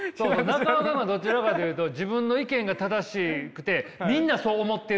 中岡君はどちらかというと自分の意見が正しくてみんなそう思ってるって思いがちよね？